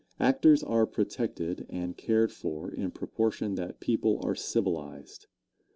Actors are protected and cared for in proportion that people are civilized.